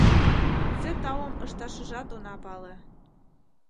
Кузе таум ышташыжат она пале.